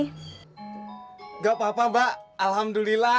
tidak apa apa mbak alhamdulillah